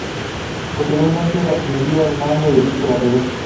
Posteriormente asumiría el mando de dicho batallón.